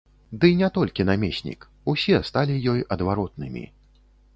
Ды не толькі намеснік, усе сталі ёй адваротнымі.